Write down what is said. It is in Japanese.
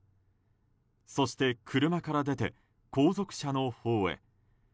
そして、車から出て後続車のほうへ。